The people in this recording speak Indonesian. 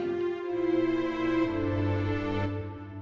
berita terkini sobat kesehatan